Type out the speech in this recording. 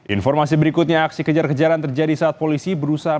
informasi berikutnya aksi kejar kejaran terjadi saat polisi berusaha